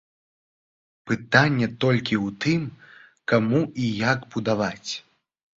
Пытанне толькі ў тым, каму і як будаваць.